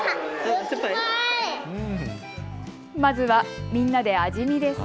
まずは、みんなで味見です。